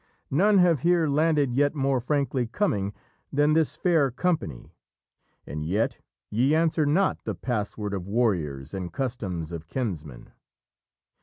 None have here landed yet more frankly coming Than this fair company: and yet ye answer not The password of warriors, and customs of kinsmen.